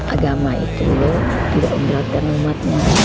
agama itu tidak memberatkan umatnya